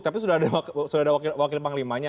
tapi sudah ada wakil panglimanya